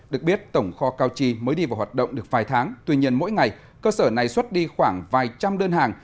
được biết tổng kho cao chi mới đi vào hoạt động được vài tháng tuy nhiên mỗi ngày cơ sở này xuất đi khoảng vài trăm đơn hàng